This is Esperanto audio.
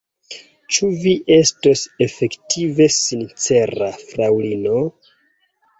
Ĉu vi estos efektive sincera, fraŭlino?